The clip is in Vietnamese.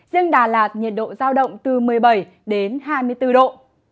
riêng đà lạt nhiệt độ giao động từ một mươi bảy đến hai mươi bốn độ